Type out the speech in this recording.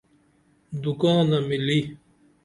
دُکانہ مِلی